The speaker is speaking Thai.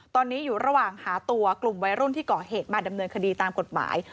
ตอนนี้อยู่ระหว่างหาตัวกลุ่มวัยรุ่นที่ก่อเหตุมาดำเนินคดีตามกฎหมาย